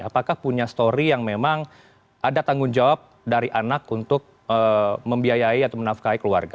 apakah punya story yang memang ada tanggung jawab dari anak untuk membiayai atau menafkai keluarga